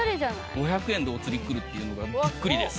５００円でおつり来るっていうのがビックリです。